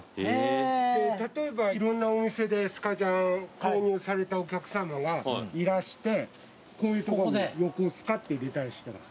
例えばいろんなお店でスカジャン購入されたお客さまがいらしてこういうところにｙｏｋｏｓｕｋａって入れたりしてます。